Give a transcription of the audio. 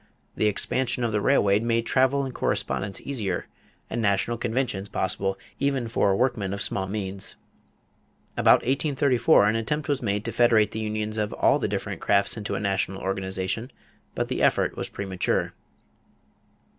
The expansion of the railway made travel and correspondence easier and national conventions possible even for workmen of small means. About 1834 an attempt was made to federate the unions of all the different crafts into a national organization; but the effort was premature.